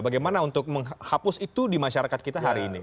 bagaimana untuk menghapus itu di masyarakat kita hari ini